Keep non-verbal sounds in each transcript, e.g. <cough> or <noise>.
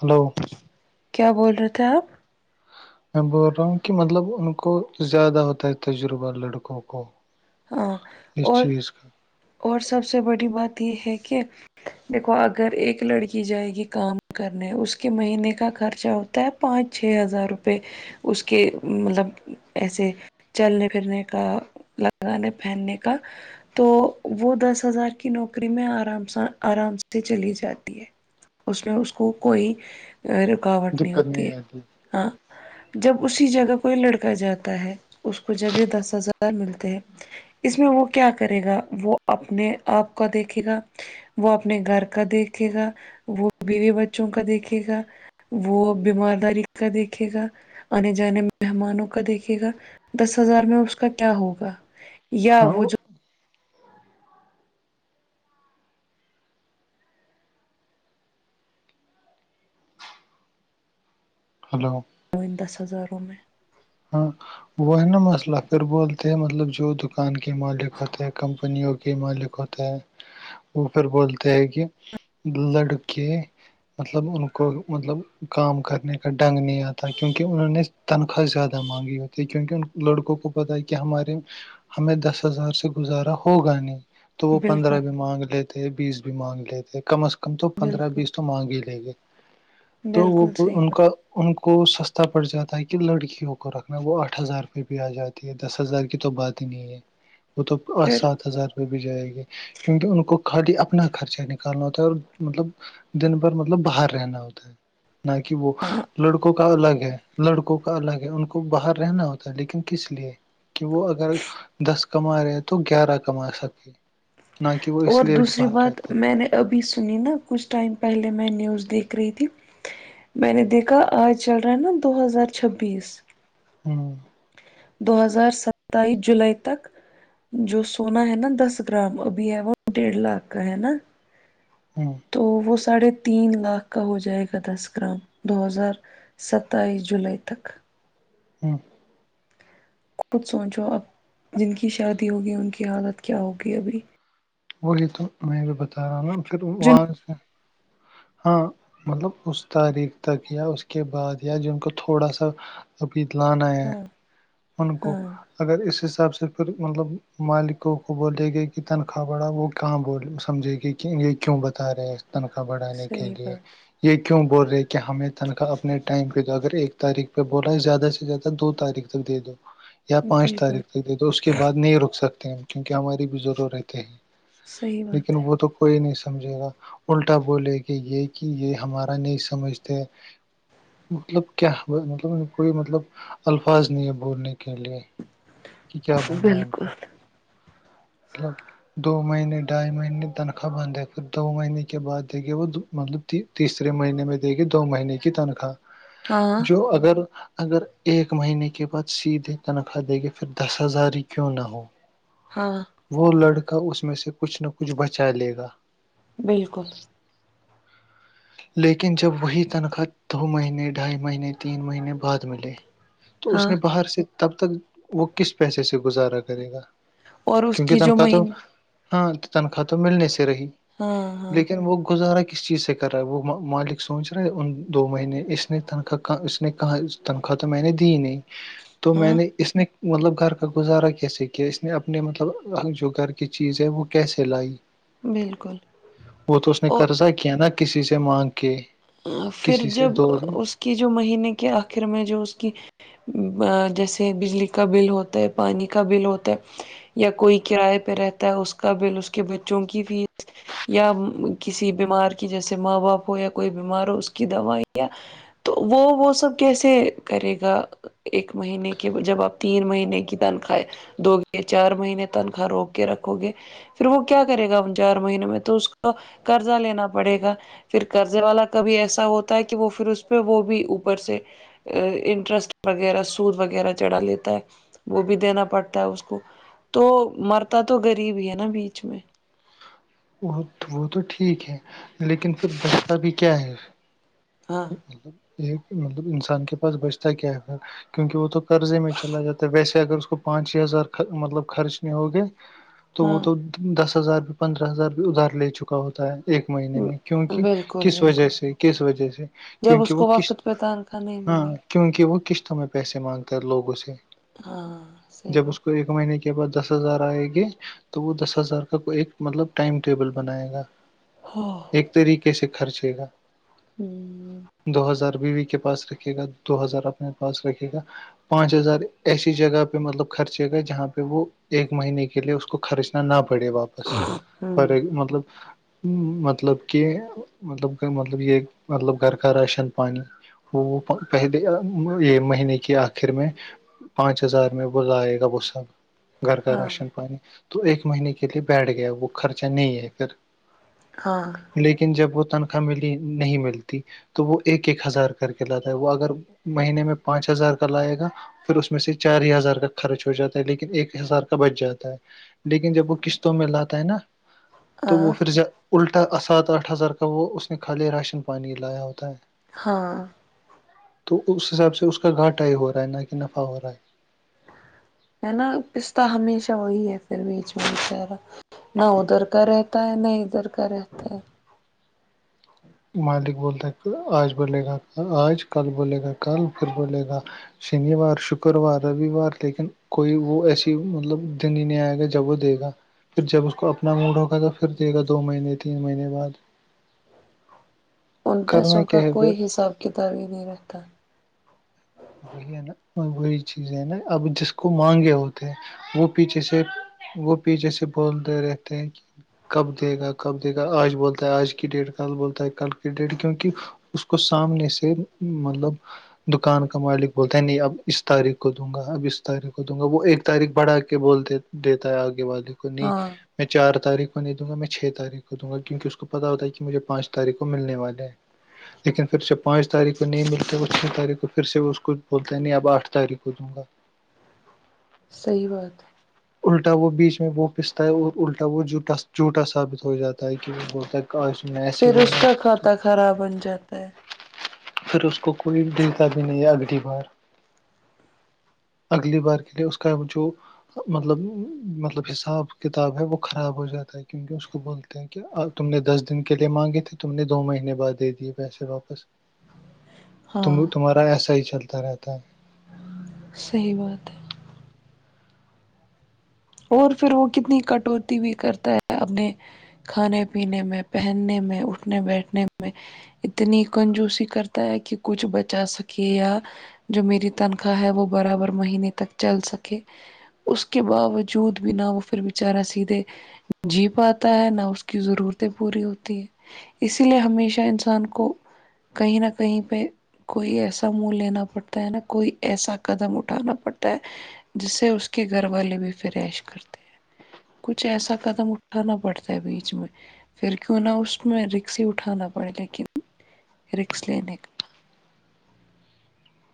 hello <inaudible> کیا بول رہے تھے آپ <inaudible> میں بول رہا ہوں کہ مطلب ان کو زیادہ ہوتا ہے تجربہ لڑکوں کو ہاں اس اور چیز کا اور سب سے بڑی بات یہ ہے کہ دیکھو اگر ایک لڑکی جائے گی کام کرنے اس کے مہینے کا خرچہ ہوتا ہے پانچ چھ ہزار روپے <unintelligible> اس کے مطلب ایسے چلنے پھرنے کا لگانے پہننے کا تو وہ دس ہزار کی نوکری میں آرام س آرام سے چلی جاتی ہے اس میں اس کو کوئی رکاوٹ نہیں دقت ہوتی ہے آتی ہاں جب اسی جگہ کوئی لڑکا جاتا ہے اس کو جب یہ دس ہزار ملتے ہیں <unintelligible> اس میں وہ کیا کرے گا وہ اپنے آپ کا دیکھے گا وہ اپنے گھر کا دیکھے گا وہ بیوی بچوں کا دیکھے گا وہ بیمار داری کا دیکھے گا <unintelligible> آنے جانے میں مہمانوں کا دیکھے گا دس ہزار میں اس کا کیا ہوگا یا ہاں وہ جو <unintelligible> <unintelligible> وہ دس ہزاروں میں <unintelligible> ہاں <unintelligible> وہ ہے نا مسئلہ پھر بولتے ہیں مطلب جو دکان کے مالک ہوتے ہیں کمپنیوں کے مالک ہوتے وہ پھر بولتے ہیں کہ لڑکے <unintelligible> مطلب ان کو مطلب کام کرنے کا ڈنگ نہیں آتا کیونکہ انہوں نے تنخواہ زیادہ مانگی ہوتی ہے کیونکہ ان لڑکوں کو پتا ہے کہ ہمارے ہمیں دس ہزار سے گزارا ہوگا نہیں تو وہ بالکل پندرہ بھی مانگ لیتے بیس بھی مانگ لیتے کم از کم تو پندرہ بالکل بیس مانگے لے گے تو وہ بالکل صحیح ان بات کا <unintelligible> ان کو سستا پڑ جاتا ہے کہ لڑکیوں کو کو رکھنا وہ آٹھ ہزار روپئے بھی آ جاتی ہے دس ہزار کی تو بات ہی نہیں ہے <unintelligible> وہ تو پ پھر سات ہزار روپئے بھی جائے گی <unintelligible> کیونکہ ان کو کٹی اپنا خرچہ نکالنا ہوتا ہے اور مطلب دن بھر مطلب باہر رہنا ہوتا ہے <unintelligible> نہ کہ وہ ہاں لڑکوں کا الگ ہے لڑکوں کا الگ ہے ان کو کو باہر رہنا ہوتا ہے لیکن کس لیے <unintelligible> کہ وہ اگر دس کما رہے ہیں تو گیارہ کما سکے نہ کہ وہ اس اور لیے بھی دوسری باہر بات رہتے ہیں میں نے ابھی سنی نا کچھ ٹائم پہلے میں نیوز دیکھ رہی تھی بین دیکا آج چل رہا ہے نا دو ہزار چھبیس ہوں دو ہزار ستائیس جولائی تک جو سونا ہے نا دس گرام ابھی ہے وہ ڈیڑھ لاکھ کا ہے نا <unintelligible> تو وہ ساڑھے تین لاکھ کا ہو جائے گا دس گرام دو ہزار ستائیس جولائی تک <unintelligible> خود سوچو اب جن کی شادی ہوگی ان کی حالت کیا ہوگی ابھی وہی تو میں بھی بتا رہا ہوں نا پھر جن وہاں سے ہاں مطلب اس تاریخ تک یا اس کے بعد یا جن کو تھوڑا سا اپبت لان آ ہاں ان کو ہاں اگر اس حساب سے پھر مطلب مالکوں کو بولے گئے کہ تنخواہ بڑھا وہ کہاں بول سمجھے گ یہ کیوں بتا رہے ہیں تنخواہ بڑھانے کے صحیح لیے بات یہ کیوں بول رہے کہ ہمیں تنخواہ اپنے ٹائم پ اگر ایک تاریخ پہ بولا ہے زیادہ سے زیادہ دو تاریخ تک دے دو یا پانچ بالکل تاریخ تک دے دو اس کے بعد نہیں رک سکتے کیونکہ ہماری بھی ضرور رہتے ہیں صحیح بات لیکن وہ تو کوئی نہیں سمجھے گا الٹا بولے گ یہ کہ یہ ہمارا نہیں سمجھتے مطلب کیا مطلب کوئی مطلب الفاظ نہیں ہے بولنے کے لیے کہ کیا بولنا ہے ان کو مطلب دو مہینے ڈھائی مہینے تنخواہ بندھ ہے دو مہینے کے بعد دیکھیے وہ مطلب تیسرے مہینے میں دے گی دو مہینے کی تنخواہ ہاں جو اگر اگر ایک مہینے کے بعد سیدھے تنخواہ دیں گے پھر دس ہزار ہی کیوں نہ ہو ہاں وہ لڑکا اس میں سے کچھ نہ کچھ بچا لے گا بالکل لیکن جب وہی تنخواہ دو مہینے ڈھائی مہینے تین مہینے بعد ملے تو اس ہاں نے باہر سے تب تک وہ کس پیسے سے گزارا کرے گا اور اس کیونکہ کی جو تنخاہ تو مہینے ہاں تو تنخواہ تو ملنے سے رہی ہاں ہاں لیکن وہ گزارا کس چیز سے کر وہ مالک سوچ رہے ہیں ان دو مہینے اس نے تنخواہ کہاں اس نے کہاں تنخواہ تو میں نے دی نہیں <unintelligible> تو میں نے اس نے مطلب گھر کا گزارا کیسے کیا اس نے اپنے مطلب جو گھر کی چیز ہے وہ کیسے لائی بالکل وہ تو اس نے اور قرضہ کیا نا کسی سے مانگ کے پھر کسی سے جب دو وہ اس کی جو مہینے کے آخر میں جو اس کی جیسے بجلی کا بل ہوتا ہے پانی کا بل ہوتا ہے یا کوئی کراائے پہ رہتا ہے اس کا بل اس کے بچوں کی فیس یا کسی بیمار کی جیسے ماں باپ ہو یا کوئی بیمار ہو اس کی دوا یا تو وہ وہ سب کیسے کرے گا ایک مہینے کے جب آپ تین مہینے کی تنخائے دو گ چار مہینے تنخواہ روک کے رکھو گے پھر وہ کیا کرے گا ہم چار مہینے میں تو اس کو قضہ لینا پڑے گا پھر قرضے والا کبھی ایسا ہوتا ہے کہ وہ پھر اس پہ وہ بھی اوپر سے انٹرسٹ وغیرہ سود وغیر چڑا لیتا ہے وہ بھی دینا پڑتا ہے اس کو تو مرتا تو غریب ہی ہے نا بیچ میں وہ وہ تو ٹھیک ہے لیکن پھر بستہ بھی کیا ہے ہاں مطلب یہ مطلب انسان کے پاس بچتا کیا ہے کیونکہ وہ تو قرضے میں چلا جاتا ہے ویسے اگر اس کو پانچ چھ ہزار مطلب خرچنے ہوگے تو وہ ہاں تو دس ہزار بھی پندرہ ہزار بھی ادھار لے چکا ہوتا ہے ایک مہینے میں کیونکہ بالکل کس وجہ بالکل سے کس وجہ سے کیونکہ وہ کس د کان ہاں ملے کیونکہ وہ قسطوں میں پیسے مانگتا ہے لوگوں سے ہاں صحیح جب اس کو بات ایک مہینے کے بعد دس ہزار آئےیں گے تو وہ دس ہزار کا ایک مطلب ٹائم ٹیبل بنائے گا ہاں ایک طریقے سے خرچے گا ہوں دو ہزار بیوی کے پاس رکھے گا دو ہزار اپنے پاس رکھے گا پانچ ہزار ایسی جگہ پہ مطلب خرچے گا جہاں پہ وہ ایک مہینے کے لیے اس کو خرچ نہ پڑے واپس ف ہمم ایک مطلب مطلب کہ ملب مطلب یہ مطلب گھر کا راشن پانیانی وہ وہ پہلے یہ مہینے کے آخر میں پانچ ہزار میں ب لائے گا وہ سب گھر کا ہاں راشن پانی تو ایک مہینے کے لیے بیٹھ گیا وہ خرچہ نہیں ہے پھر ہاں لیکن جب وہ تنخواہ ملی نہیں ملتی تو وہ ایک ایک ہزار کر کے لاتا ہے وہ اگر مہینے میں پانچ ہزار کا لائے گا پھر اس میں سے چار ہی ہزار کا خرچ ہو جاتا ہے لیکن ایک ہزار کا بچ جاتا ہے لیکن جب وہ قسطوں میں لاتا ہے نا تو وہ ہاں پھر الٹا سات آٹھ ہزار کا وہ اس نے خالی راشن پانی لایا ہوتا ہے ہاں تو اس حساب سے اس کا گھاٹا ہی ہو رہا ہے نہ کہ نفع ہو رہا ہے ہے نا پستا ہمیشہ وہی ہے پھر بیچچیرا نہ ادھر کا ہے ت نہیں ادھر کرت مالک بولتے آج بولے گا آج کل بولے گا کل پھر بولے گا شنیوار شکروار رووار لیکن کوئی وہ ایسی مطلب دن ہی نہیں آئے گا جب وہ دے گا پھر جب اس کو اپنا موڈ ہوگا تو پھر دے گا دو مہینے تین مہینے بعد ان کرنا پیسوں کا کیا ہے پھر کوئی حساب کتاب ہی نہیں رہتا وہی ہے نا وہی چیز ہے نا اب جس کو مانگے ہوتے ہیں وہ پیچھے سے وہ پیچھے سے بولتے رہتے ہیں کہ کب دے گا کب دے گا آج بولتا ہے آج کی ڈیٹ کل بولتا ہے کل کی ڈیٹ کیونک اس کو سامنے سے مطلب دکان مالک بولتے ہیں نہیں اب اس تاریخ کو دوں گا اب اس تاریخ کو دوں گا وہ ایک تاریخ بڑھا کے بولتے دیتا ہے آگے والی کو نہیں ہاں میں چار تاریخ کو نہیں دوں گا میں چھ تاریخ کو دوں گا کیونکہ اسس کو پتتا ہوتا ہے کہ مجھے پانچ تاریخ کو ملنے والے ہیں لیکن پھر جب پانچ تاریخ کو نہیں ملتے وہ چھ تاریخ کو پھر سے وہ اس ک کوھ بولتے ہیں نہیں اب آٹھ تاریخ کو دوں گا صحی بات الٹا وہ بیچ میں وہ پستا ہے اور الٹا وہٹا جوٹا ثابت ہو جاتا ہے کیک ب ک میںسے پھر اس بولا کا کھاتا خراب بن جاتا ہے پھر اس کو کوئی دتا بھی نہیں ہے اگلی بار اگلی بار کے لیے اس کا جو مطلب مطلب حساب کتاب ہے وہ خراب ہو جاتا ہے کیونکہ اس کو بول ھینکہ تم نے دس دن کے لیے مانگے تے تم نے دو مہینے بعد دے دیے پیسے واپس ت ہاں تمہارا ایسا ہی چلتا رہتا ہے صحیح بات ہے اور پھر وہ کتنی کٹوتی بھی کرتا ہے اپنے کھانے پینے میں پہننے میں اٹھنے بیٹھنے میں اتنی کنجوسی کرتا ہے کہ کچھ بچا سکے یا جو میری تنخواہ ہے وہ برابر مہینے تک چل سکے اس کے باو جووت بنا وہ پھر بچارا سیدھے جی پ آتا ہے نہ اس کی ضرورتیں پوری ہوتی ہے اسی لیے ہمیشہ انسان کو کہیں نہ کہیں پہ کوئی ایسا منہ لینا پڑتا ہے نا کوئی ایسا قدم اٹھانا پڑتا ہے جس سے اس کے گھر والے بھی فرائش کرتے ہیں کچھ ایسا قدم اٹھانا پڑتا ہے بیچ میں پھر کیوں نہ اس میں رکس ہی اٹھانا پڑے لیکن رکس لینے کا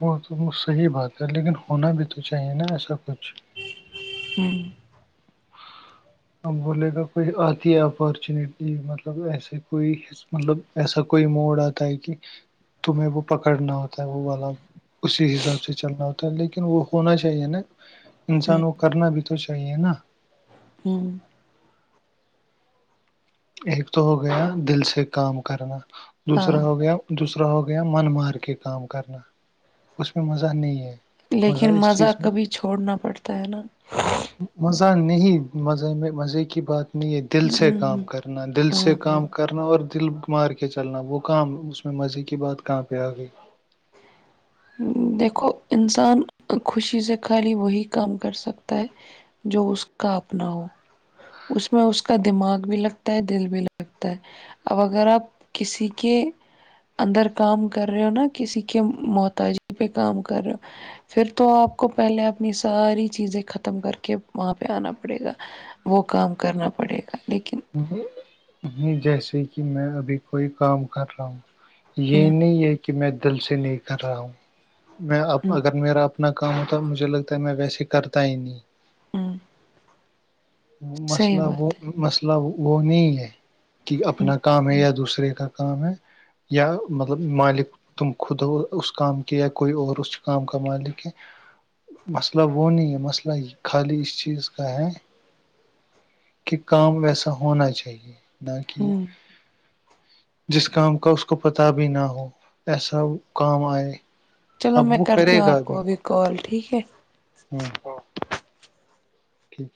وہ تو وہ صحیح بات ہے لیکن ہونا بھی تو چاہیے نا ایسا کچھ ہوں اب بولے گا کوئی آتی ہے اپچونیٹی مطلب ایسے کوئی مطلب ایسا کوئی موڈ آتا ہے کہ تمہیں وہ پکڑنا ہوتا ہے وہ والا اسی حساب سے چلنا ہوتا ہے لیکن وہ ہونا چاہیے نا انسان کو کرنا بھی تو چاہیے نا ہوں ایک تو ہو گیا دل سے کام کرنا ہاں دوسرا ہو گیا دوسرا ہو گیا من مار کے کام کرنا اس میں مزہ نہیں ہے لیکن اس مزہ چیز میں کبھی چھوڑنا پڑتا ہے نا مزہ نہیں مزے میں مزے کی بات نہیں ہے دل سے کام ہوں کرنا دل ہاں سے ہاں کام کرنا اور دل مار کے چلنا وہ کام اس میں مزے کی بات کہاں پہ آ گئی دیکھو انسان خوشی سے خالی وہی کام کر سکتا ہے جو اس کا اپنا ہو اس میں اس کا دماغ بھی لگتا ہے دل بھی لگتا ہے اب اگر آپ کسی کے اندر کام کر رہے ہو نا کسی کے موت تاجی پہ کام کر رہا پھر تو آپ کو پہلے اپنی ساری چیزیں ختم کر کے وہاں پہ آنا پڑے گا وہ کام کرنا پڑے گا لیکن جیسے کہ میں ابھی کوئی کام کر رہا ہوں یہ ہوں نہیں ہے کہ میں دل سے نہیں کر رہا ہوں میں اب ہوں اگر میرا اپتنا کام ہوتا ہے مجھے لگتا ہے میں ویسے کرتا ہی نہیں ہوں صحیح مسئلہ وہ بات ہے مسئلہ وہ نہیں ہے کہ ہ اپنا کام ہے یا دوسرے کا کام ہے یا مطلب مالک تم خودا اس کام کے یا کوئی اور اس کام کا مالک ہے مسئلہ وہ نہیں ہے مسئلہ خالی اس چیز کا ہے کہ کام ویسا ہونا چاہیے نہ کہ ہ جس کام کا اس کو پتہ بھی نہ ہو ایسا کام آئے چلو اب میں وہ کرتی کرے ہوں آپ کو ابھی کال ٹھیک ہے ہوں ٹھیک